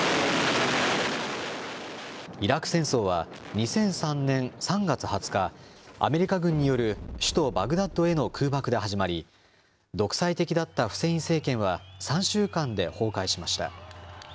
イラク戦争は、２００３年３月２０日、アメリカ軍による首都バグダッドへの空爆で始まり、独裁的だったフセイン政権は、３週間で崩壊しました。